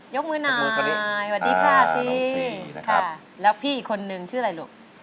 ยกมือหน่อยสวัสดีค่ะสิค่ะแล้วพี่อีกคนนึงชื่ออะไรลูก